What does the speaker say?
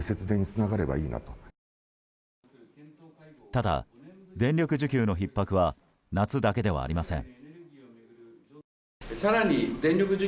ただ、電力需給のひっ迫は夏だけではありません。